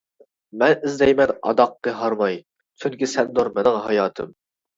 مەن ئىزدەيمەن ئاداققى ھارماي، چۈنكى سەندۇر مىنىڭ ھاياتىم.